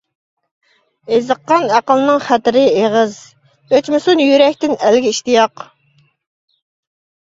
ئېزىققان ئەقىلنىڭ خەتىرى ئېغىز، ئۆچمىسۇن يۈرەكتىن ئەلگە ئىشتىياق.